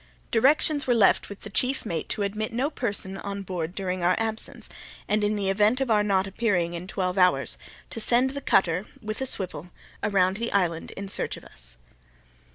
Directions were left with the chief mate to admit no person on board during our absence, and, in the event of our not appearing in twelve hours, to send the cutter, with a swivel, around the island in search of us.